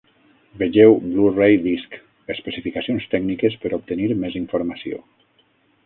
Vegeu Blu-ray Disc: Especificacions tècniques per obtenir més informació.